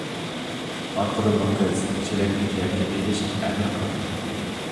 ئارقىدىنلا قىز چېلەكنى يەرگە ئېلىشقا ئەمىر قىلدى.